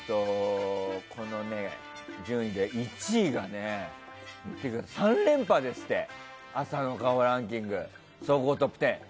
この順位で１位が３連覇ですって朝の顔ランキング総合トップ１０。